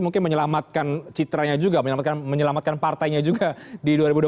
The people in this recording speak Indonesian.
mungkin menyelamatkan citranya juga menyelamatkan partainya juga di dua ribu dua puluh